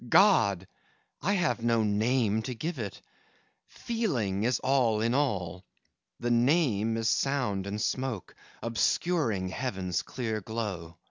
God! I have no name to give it! Feeling is all in all: The Name is sound and smoke, Obscuring Heaven's clear glow.